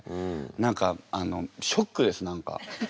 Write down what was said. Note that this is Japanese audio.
何かあのショックです何か。